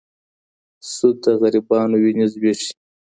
سود د غریبانو وینې زبېښي.